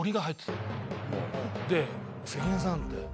で「関根さん」って。